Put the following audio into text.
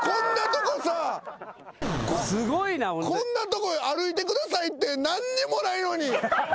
こんなとこ歩いてくださいって何にもないのに。